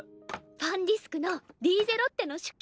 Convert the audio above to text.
ファンディスクの「リーゼロッテの手記」。